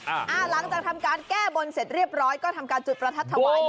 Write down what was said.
หลังจากทำการแก้บนเสร็จเรียบร้อยก็ทำการจุดประทัดถวาย